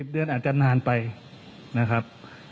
เดือนอาจจะนานไปนะครับ